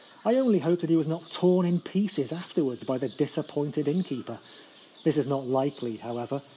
I only hope that he was not torn in pieces afterwards by the disappoint ed innkeeper. This is not likely, however.